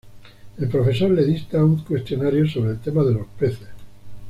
El profesor les dicta un cuestionario sobre el tema de los peces.